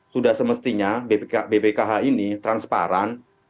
sudah semestinya bpkh ini transparan